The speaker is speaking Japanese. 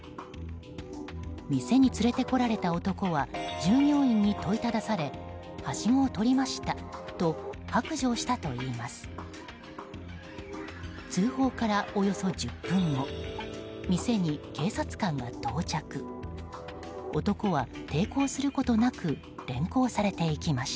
店に連れてこられた男は従業員に問いただされはしごをとりましたと白状したといいます。